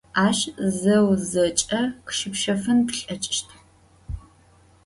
Aş zeu zeç'e khışıpşefın plheç'ışt.